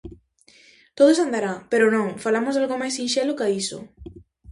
Todo se andará, pero non, falamos de algo máis sinxelo ca iso.